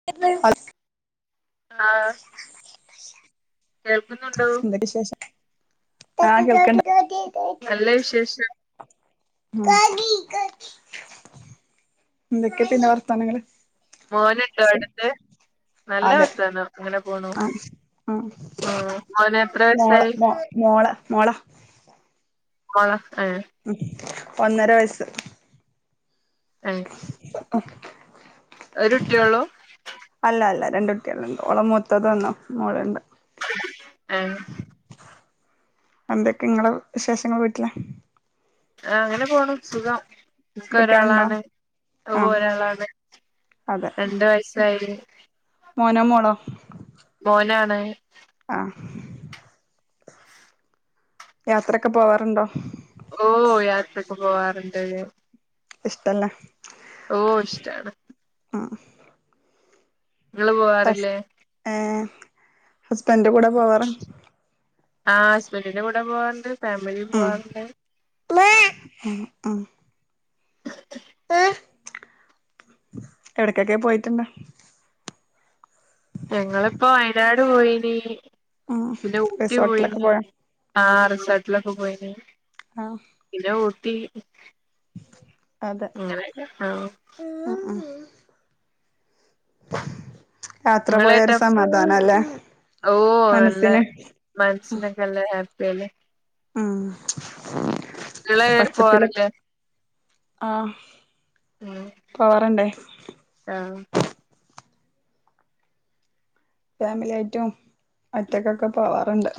[inaudible] ആഹ് കേൾക്കുന്നുണ്ട് എന്തൊക്കെ ശേഷം ആഹ് കേൾക്ക്ണ്ട് നല്ല വിശേഷം എന്തൊക്ക പിന്നെ വർത്താനങ്ങള് മോനട്ടോ അടുത്ത് നല്ല അതെ വത്താനം ഇങ്ങനെ പോണു ആ ആ ആ മോനെ മോള എത്രവയസായി മോ മോള മോള മോളാ ഏഹ് ഉം ഒന്നരവയസ്സ് ഏഹ് [inaudible] ഒരുട്ടിള്ളു അല്ല അല്ല രണ്ടുട്ടിള്ണ്ട് ഓളമൂത്തതൊന്നു മോള്ണ്ട് ആഹ് എന്തൊക്കെ ഇങ്ങളെ വിശേഷങ്ങൾ വീട്ടിലെ ആ അങ്ങനെ പോണ് സുഖം കുട്ടികളുണ്ടോ ഇൻകൊരാളാണ് ആ ഒരാളാണ് രണ്ട് വയസായി മോനമോളോ മോനാണ് ആഹ് യാത്രക്കെ പോവാറ്ണ്ടോ ഓഹ് യാത്രക്ക് പോവാറ്ണ്ട് ഇഷ്ടല്ലെ ഓഹ് ഇഷ്ടാണ് ഉ ഉം ഇങ്ങള് പോവാറില്ലേ ഏഹ് ഹസ്ബന്റെ കൂടെ പോവാറ് ആഹ് ഹസ്ബൻന്റിന്റെ കൂടെപോവാറുണ്ട് ഫാമിലി പോവാറുണ്ട് അഹ് ആഹ് [unintelligible] എവിടക്കെക്കെ പോയിട്ട്ണ്ട ഞങ്ങള്പ്പോ വയനാട് പോയീനി ഉം പിന്നെ ഊട്ടി റിസോർട്ടിലൊക്കെ പോയീനി. പോയോ ആഹ് റിസോട്ടിലൊക്കെ പോയിനി ആഹ് പിന്ന ഊട്ടി അതെ അങ്ങനെയൊക്കെ ആഹ് ഉം. യാത്ര പോയ ഒരു നിങ്ങളേട്ടാ സമാധാനാലേ മനസ്സിന് മനസ്സിനൊക്കെല്ലെ ഹാപ്പി അല്ലേ ഉം നിങ്ങള് പച്ചപ്പില് പോവാറില്ലേ ആഹ് ഉം പൊവറണ്ടേ ആഹ് ഫാമിലിയായിറ്റും ഒറ്റക്കൊക്കെ പോവാറ്ണ്ട്.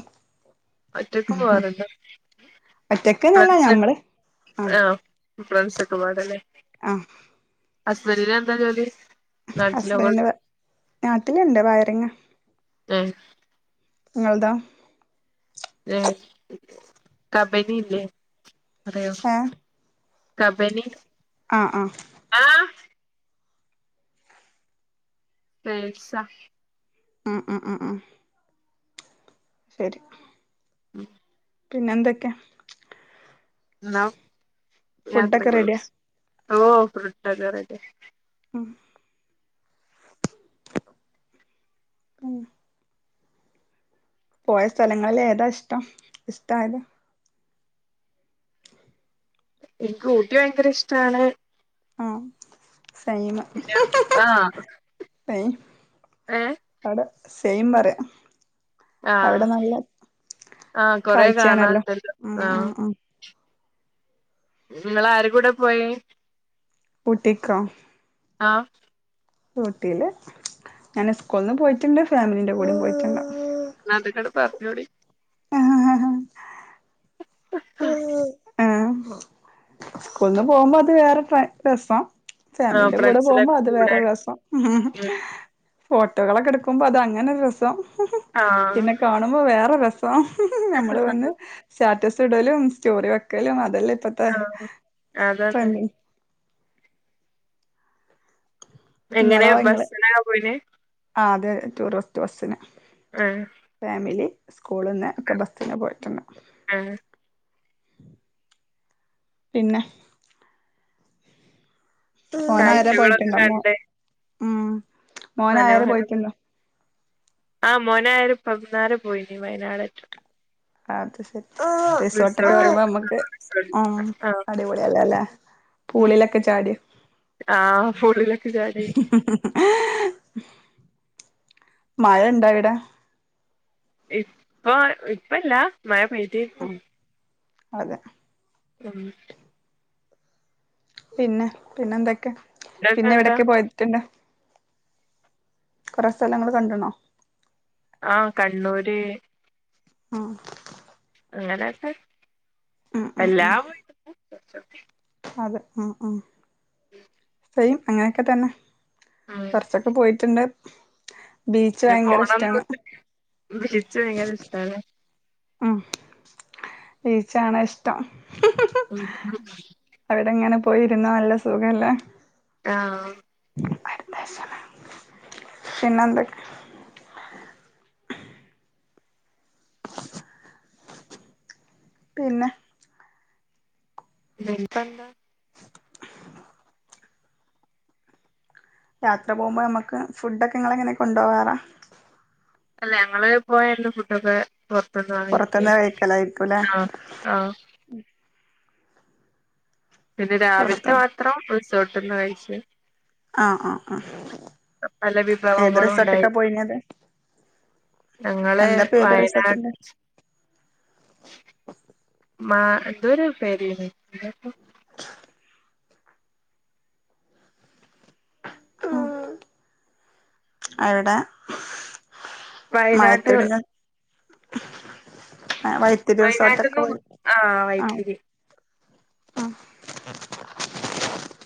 ഒറ്റക്ക് പോവാറ്ണ്ടോ ഒറ്റക്ക്ന്നല്ല പരിസൻ ഞമ്മള് ആഹ് ഫ്രൻഡ്‌സൊക്കെപ്പാടെലേ ആഹ് അസ്ബന്റിനെന്താ ജോലി നാട്ടിലോ ഹസ്ബൻഡിന്റെ വ നാട്ടില്ണ്ട് വയറിങ്ങ. ഉം ഇങ്ങള് തോ. ഏഹ് കബനില്ലേ അറിയോ ഏഹ് കബനി അഹ് അഹ് ആഹ് പേയ്സ ഉം ഉം ഉം ശരി ഉം പിന്നെന്തൊക്കെ? ഇന്നാ ഫുഡൊക്കെ റെഡിയാ [unintelligible] ഓഹ് [unintelligible] ഉം ഉം പോയ സ്ഥലങ്ങളിൽ ഏതാ ഇഷ്ടം ഇഷ്ടായത് ഇൻക്ക് ഊട്ടി വയങ്കരിഷ്ടാണ്. സൈമ് പിന്നെ ആഹ് സൈം ഏ അടെ സെയിം പറ്യ ആഹ് അവിടെ നല്ല ആഹ് കൊറെ കാഴ്ചയാണല്ലോ കാണാണ്ടല്ലോ ഉം ഉം ആഹ് ഉം ഉം ഇങ്ങളാരകൂടെപോയെ? ഊട്ടീക്കോ ആഹ് ഊട്ടീല്. ഞാന് സ്കൂൾന്നും പോയിട്ട്ണ്ട് ഫാമിലീന്റെ കൂടെം പോയിട്ട്ണ്ട്. ഇന്നതൊക്കെട് പറഞ്ഞോളി [inaudible] അഹാ ഉം സ്കൂൾന്ന് പോവുമ്പോ അത് വേറെ ട്ട്ര രസം. ആഹ് ഫാമിന്റെ കൂടെ പോകുമ്പോ ഫ്രണ്ട്സിലൊക്കെ അത് കൂടെ വേറെ രസം. ഉം ഫോട്ടോകളൊക്കെ ഇട്ക്കുമ്പോ അത് അങ്ങനൊരു രസം ആഹ് പിന്നെ കാണുമ്പോ വേറെ രസം. ഇപ്പം നമ്മള് വന്ന് സാറ്റസ് ഇടലും സ്റ്റോറി വെക്കലും അതെല്ലേ ഇപ്പത്ത് ഇപ ആഹ് [unintelligible] അതന്നെ പണി എങ്ങനെ ബങ്ങളോ ഇങ്ങള് ബസ്സിനാ പോയിനെ ആഹ് അത് ടൂറിസ്റ്റ് ബസിന്. എഹ് ഫാമിലി സ്കൂള്ന്ന് ഒക്കെ ബസിന്ന് പോയിട്ടുണ് ആഹ് പിന്നെ ഓനായെരെ കാഴ്ചകളൊക്കെ പോയിട്ടുണ്ട മോ ഉം മോനായാരെ മനോഹര [unintelligible] പോയിട്ടുണ്ടോ ആഹ് മോനാ ആയരെ ഇപ്പന്നാര പോയിനി വയനാടെറ്റം അത് സെരി. റിസോർട്ട്ക്ക് റിസോർട്ട് [unintelligible] ആവുമ്പോ എടുത്ത് ഞമ്മക്ക് റിസോർട്ട് ഉം ആഹ് അടിപൊളിയല്ലെ അല്ലേ ഉം പൂളിലൊക്കെ ചാട്യൊ ആഹ് പൂളിലൊക്കെ ചാടി ഏഹ് മഴുണ്ട അവിടെ ഇപ്പൊ ഇപ്പല്ല മഴ പെയ്തീർന്നു ഉം അതെ ഉം പിന്നെ പിന്നെ എന്തൊക്കെ പിന്നെ ഇങ്ങക്കെന്താ എവിടൊക്കെ പോയിട്ടുണ്ട് കുറെ സ്ഥലങ്ങള്ൾ കണ്ടുണോ ആ കണ്ണൂര് ആ അങ്ങനെയക്കെ ഉം ഉം എല്ലാ ഉം വീട്ടീന്നും കൊറച്ചൊക്കെ അതെ ഉം ഉം [unintelligible] സെയിം അങ്ങനെയൊക്കെ തന്നെ ഉം കുറച്ചൊക്കെ പോയിട്ടുണ്ട് ബീച്ച് ഇനി ഭയങ്കര ഇഷ്ടമാണ് പോണംന്നുണ്ട് ബീച്ച് ഭയങ്കര ഇഷ്ടാല്ലേ ഉ ബീച്ചാണ് ഇഷ്ടം [inaudible] അവിടെങ്ങനെ പോയിരുന്ന നല്ല സുഖല്ലേ ആഹ അടുത്ത പിന്നെന്തൊക്കെ പിന്നെ ഇനിപ്പെന്താ യാത്ര പോകുമ്പോൾ നമുക്ക് ഫുഡ്‌ ഒക്കെ ഇങ്ങള് എങ്ങനെ കൊണ്ട് പോകാറാ അല്ല ഞങ്ങള് പോയ അന്ന് ഫുഡൊക്കെ പുറത്തുന്ന് പുറത്തുന്ന് വാങ്ങിക്കേർന്ന് കഴിക്കലായിരിക്കുംല്ലേ ആ ആ പിന്നെ രാവിലത്തെ പുറത്തുന്ന് മാത്രം റിസോർട്ട്ന്ന് കഴിച്ച് ആഹ ആഹ പല ആ ഏത് വിഭവങ്ങളും ഉണ്ടായി റിസോർട്ട്ക്കാ പോയിനത് ഞങ്ങള് എന്താ പേര് വയനാട് റിസോട്ടിന്റെ മാ എന്തൊരു പേര് ഏന്ന് എന്തേര്ന്നു അവിടെ വയനാട്ട് മഴത്തിടിന് വൈത്തിരി റിസോർട്ടൊക്കെ വയനാട്ട്ന്ന് പോയി ആഹ് ആ വൈത്തിരി ആഹ [unintelligible]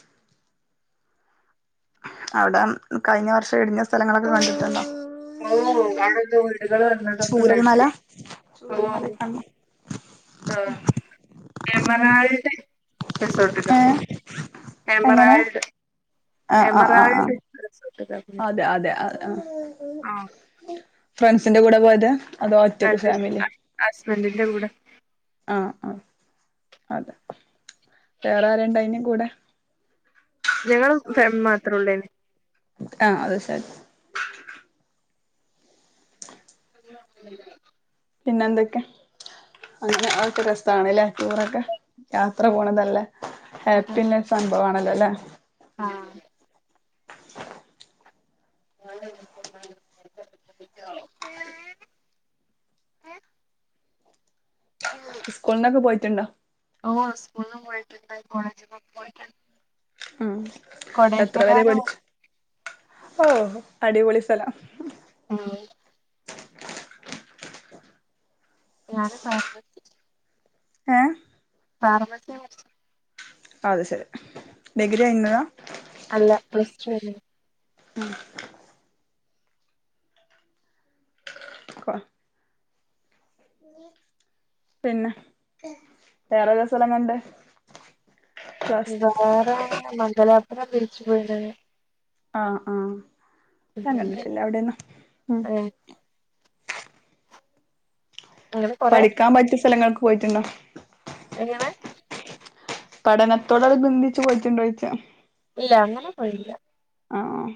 അവിടെ കഴിഞ്ഞ വർഷം ഇടിഞ്ഞ സ്ഥലങ്ങളൊക്കെ കണ്ടിട്ടുണ്ടോ ഉം ഉം അവിടെ എന്തോ വീടുകള് വന്നതൊക്കെ ചൂരൽമല കാണിച്ച് ഓ ചൂരൽമലയിൽ കണ്ടോ ആ എംരാൾഡ് റിസോർട് ഏ എങ്ങനെ എമറാൾഡ് ആഹ് ആഹ് ആഹ് എമറാൾഡ് ആഹ് അതെ അതെ അ ആഹ ഫ്രണ്ട്സിന്റെ കൂടെ പോയത് അതോ ഒറ്റക്ക് അല്ല ഇന്റെ ഹസ്ബന്റിന്റെ കൂടെ ആഹ ആ അതെ വേറെ ആരേണ്ടിയിനി കൂടെ ഞങ്ങള് ഫം മാത്ര ഉള്ളെര്ന്ന് ആഹ അത ശരി [unintelligible] പിന്നെന്തൊക്കെ അങ്ങനെ അത്‌ ഒക്കെ രസാണ്ല്ലേ ടൂറൊക്കെ യാത്ര പോണതല്ലേ ഹാപ്പി ഇള്ള സംഭവ ആണല്ലോ അല്ലേ ആഹ [unintelligible] സ്കൂളിന്നൊക്കെ പോയിട്ടുണ്ടോ ഓ സ്കൂളിനും പോയിട്ടുണ്ട് കോളജിനും പോയിട്ടുണ്ട് ഉം എത്ര വേരെ കൊടൈക്കനാലും പഠിച്ചു ഓ അടിപൊളി സ്ഥലം ഉം ഞാന് [unintelligible] ഏ പറമ്മെത്തെ അത ശരി ഡിഗ്രി കയ്ന്നതാ അല്ല പ്ലസ് ടു വരെ [unintelligible] [inaudible] പിന്നെ വേറെതാ സ്ഥലം കണ്ടെ വേറെ മംഗലാപുരം ബീച്ച് പോയിണ് ആ ആ ഞാൻ പിന്നെ കണ്ടിട്ടില്ല അവിടെന്നും ഉം ഏഹ് അങ്ങനെ കൊറെ പഠിക്കാൻ പറ്റിയ സ്ഥലങ്ങളൊക്ക് പോയിട്ടുണ്ടോ എങ്ങനെ പഠനത്തോടാനുബന്ദിച്ച് പോയിച്ചട്ടുണ്ട് ചോദിച്ചാ ഇല്ല അങ്ങനെ പോയില്ല ആഹ്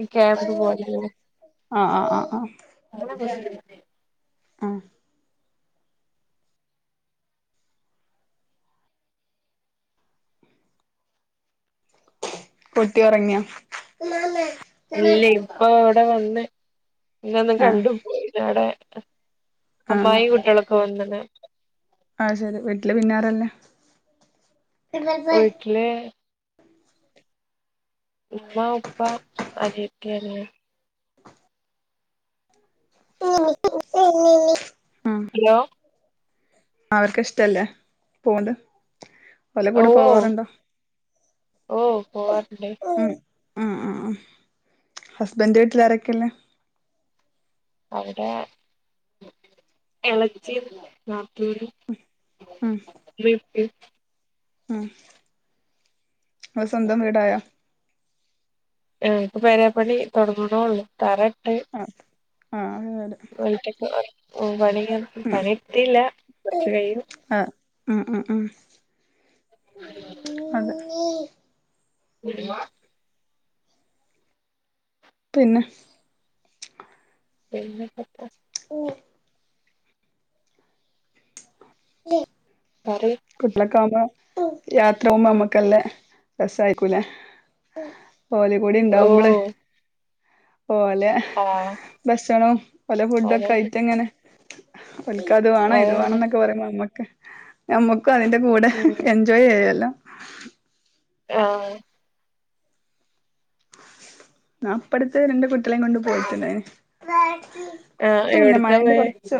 ഈ ക്യാമ്പ് ആഹ് പോലെയുള്ള ആഹ് ആഹ് ആഹ് [unintelligible] ആഹ് പൊട്ടി ഉറങ്ങിയാ ഇല്ല ഇപ്പൊ അവിടെ വന്ന് ഇന ഒന്നും ആഹ് കണ്ടു പോയിടെ ആഹ് അമ്മായി കുട്ടികളക്ക് വന്നത് ആഹ ശരി വീട്ടില് പിന്നാറല്ലേ ട്ടിലെ ഉമ്മ ഉപ്പാ അനിയത്തി അനിയൻ ഉം ഹലോ അവർക്ക ഇഷ്ടല്ലേ പോണ്ട് ഓലെ ഓ കൂടെ പോവാറുണ്ടോ ഓ പോവാറുണ്ട് ഉം ഉം ഹസ്ബൻ്റെ വീട്ടിൽ ആരൊക്കെള്ള് അവിടെ ഇളച്ചിയും നാത്തൂരും ഉം ഉമ്മേം ഉപ്പേം ഉം ങ്ങ സ്വന്തം വീടായ ഞ്ഞങ്ങക്ക് പേരാപ്പണി തൊടങ്ങണള്ളൂ തറ ഇട്ട് ആ അത് ശെരി വട്ടക്കെ പണി പണിയ എത്തില്ല കുറച്ച ഉം കഴിയും ആഹ് ഉം ഉം ഉം അതെ ഉലുവാ പിന്നെ പിന്നെ പ്പത്താ [unintelligible] [inaudible] പറ കുട്ടേളെക്കാവുമ്പോ രാത്രി ആകുംബോ നമ്മക്കല്ലേ രസായിക്കൂ ലേ. ഓലെ കൂടി ഓ ഇണ്ടാവുമ്പള് ഓലെ. ആഹ് ഭക്ഷണോം ഓലെ ഫുഡൊക്കെ അതാണ് ആയിട്ട് അങ്ങനെ ഓൽക്ക് അത് വാണംഇത് അതന്നെ വാണെന്നൊക്കെ പറയുമ്പോ ഞമ്മക്ക് ഞമ്മക്കു അതിന്റെ കൂടെ. ഉം ജോയ് ചെയ്യല്ലോ ആഹ്‌ ഞാൻ ഇപ്പടത്ത് രണ്ട് കുട്ടികളെയും കൊണ്ട് പോയിട്ടുണ്ടായിനി ആഹ് കുറച്ച മുന്നെ എവിട്ക്കാ മഴന്റെ പോയെ കൊറച്ച്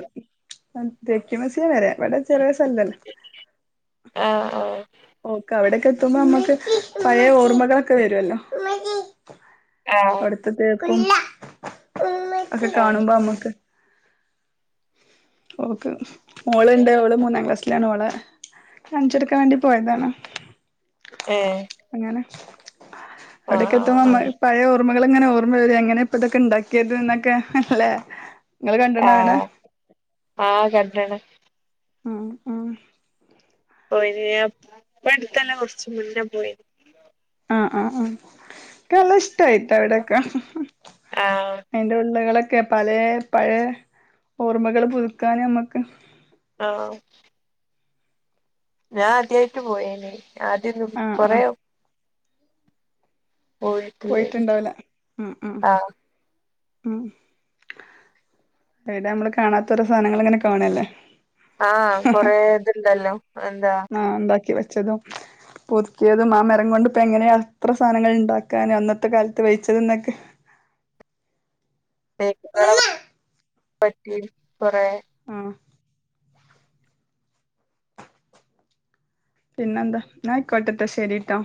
തേക്കുമ്യൂസിയം വെറെ ഇവിടെ ചെറിയ സ്ഥലല്ലേ. ആഹ് ആഹ് ഓക്കെ അവിടെൊക്കെ എത്തുമ്പോ നമ്മുക്ക് പഴയ ഓർമ്മകളൊക്കെ വരുല്ലോ. ആഹ് അവിടത്തെ തേക്കും ഒക്കെ ആഹ് കാണുമ്പോ നമ്മക്ക്. ഓക്കെ മോള്ണ്ട് ആഹ് ഓള് മൂന്നാം ക്ലാസ്. ലാണ് ഓളെ കാണിച്ചൊടുക്കാൻ വേണ്ടി പോയതാണ്. ഏഹ് അങ്ങനെ ആഹ് അവിടക്കെ എത്തുമ്പോ. ആഹ് പഴയ ഓർമ്മകൾ ഇങ്ങനെ ഓർമ്മ വരും എങ്ങനെ ഇപ്പൊ ഇതൊക്കെ ഉണ്ടാക്കിയത് എന്നൊക്കെ ലേ ങ്ങൾ കണ്ട്ണോ അവിടെ. ആ കരറ്റന്നെ ഉം ഉം. പോയിനിയോ ഇപ്പ അടുത്തല്ലാ കുറച്ച് മുന്നേ പോയി. ആഹ് ആഹ് ആഹ് ഇയ്ക്ക് നല്ലഇഷ്ടയിട്ടോ അവിടെക്കെ. ആഹ് അതിന്റ ഉള്ളുകളൊ. ക്കെ പലേ പഴയ ഓർമ്മകൾ പുതുക്കാൻ നമ്മുക്ക് ആഹ് ഞാൻ ആദ്യായിട്ട് പോയേനി ആദ്യഒന്നും ആഹ് ആഹ് കൊറേ- പോയിട്ടില്ലേനി പോയിട്ടുണ്ടാവൂല ഉം ഉം. ആഹ് ഉം അവിടെ നമ്മള് കാണാത്ത ഓരോ സാധനങ്ങൾ ഇങ്ങനെ കാണല്ലേ. ആഹ് കൊറേ ഇത്ണ്ടല്ലോ എന്താ. ആഹ് ഉണ്ടാക്കി വെച്ചതും. പുതുക്കിയതും ആ മരം കൊണ്ട് ഇപ്പോ എങ്ങനെയ അത്ര സാധനങ്ങൾ ഉണ്ടാക്കാന് അന്നത്തെ കാലത്ത് വെയിച്ചത് എന്നൊക്കെ- തേക്കുകളെ പറ്റി കുറേ. ഉം പിന്നെന്താ ന്നാ അയ്കോട്ടെ ട്ടോ ശരിട്ടോ.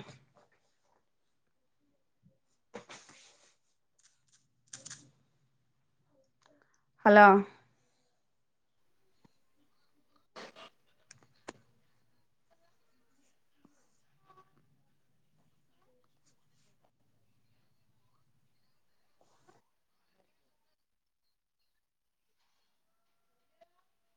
ഹലോ.